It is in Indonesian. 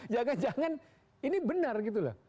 jangan jangan ini benar gitu loh